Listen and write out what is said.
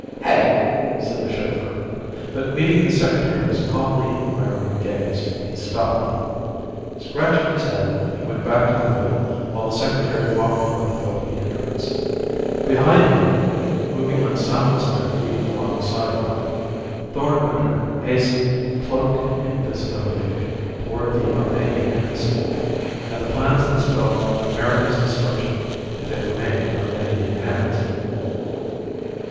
"Hey " said the chauffeur. But meeting the Secretary's calmly inquiring gaze, he stopped. Scratching his head, he went back to the wheel, while the Secretary walked toward the building entrance. Behind him, moving on soundless bare feet along the sidewalk, Thorn Winter hastened, cloaked in invisibility, toward the Arvanian Embassy and the plans that spelled America's destruction if they remained in Arvanian hands.